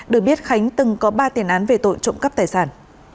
được biết khánh từng có ba tiền án về tội trộm cắp tài sản